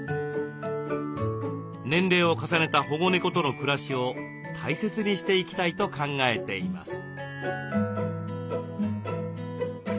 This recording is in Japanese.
年齢を重ねた保護猫との暮らしを大切にしていきたいと考えています。